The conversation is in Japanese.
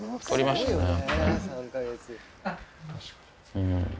うん。